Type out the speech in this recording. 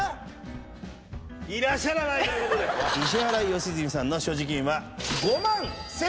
石原良純さんの所持金は。